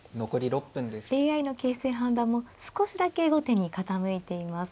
ＡＩの形勢判断も少しだけ後手に傾いています。